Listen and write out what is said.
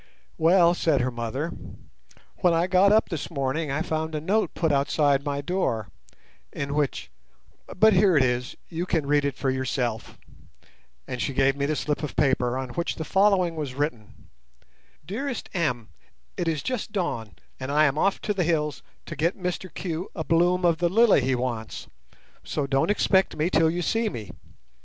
"Well," said her mother, "when I got up this morning I found a note put outside my door in which—But here it is, you can read it for yourself," and she gave me the slip of paper on which the following was written:— "DEAREST M—,—It is just dawn, and I am off to the hills to get Mr Q—a bloom of the lily he wants, so don't expect me till you see me.